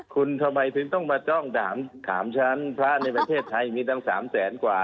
คุณทำไมถึงต้องมาจ้องถามฉันพระในประเทศไทยมีตั้ง๓แสนกว่า